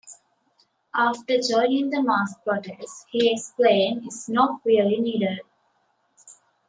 After joining the mass protest, he explained: It's not really needed...